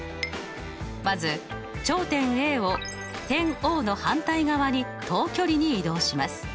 まず頂点Ａを点Ｏの反対側に等距離に移動します。